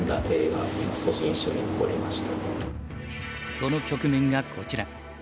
その局面がこちら。